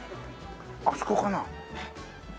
あそこかな？